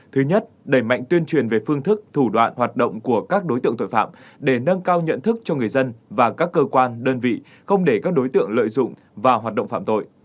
thứ nhất đẩy mạnh tuyên truyền về phương thức thủ đoạn hoạt động của các đối tượng tội phạm để nâng cao nhận thức cho người dân và các cơ quan đơn vị không để các đối tượng lợi dụng vào hoạt động phạm tội